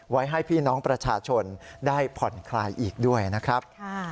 ไว้ให้พี่น้องประชาชนได้ผ่อนคลายอีกด้วยนะครับ